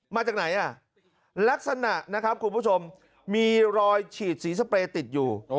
มาจากไหนอ่ะลักษณะนะครับคุณผู้ชมมีรอยฉีดสีสเปรย์ติดอยู่